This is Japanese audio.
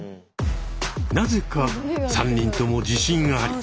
なぜか３人とも自信あり。